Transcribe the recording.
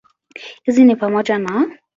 Hizi ni pamoja na